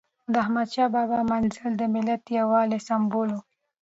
د احمد شاه بابا مزل د ملت د یووالي سمبول و.